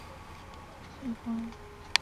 常用于票据贴现。